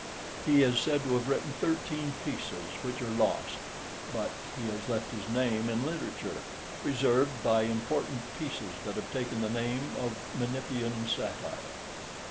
He is said to have written thirteen pieces which are lost, but he has left his name in literature, preserved by important pieces that have taken the name of "Menippean Satire."